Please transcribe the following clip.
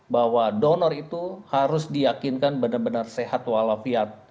bahwa donor itu harus diyakinkan benar benar sehat walafiat